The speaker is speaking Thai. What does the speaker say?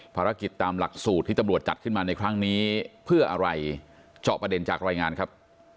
ภารกิจตามหลักสูตรที่ตำรวจจัดขึ้นมาในครั้งนี้เพื่ออะไรเจาะประเด็นจากรายงานครับ